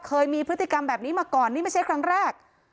เคยมีพฤติกรรมแบบนี้มาก่อนนี่ไม่ใช่ครั้งแรก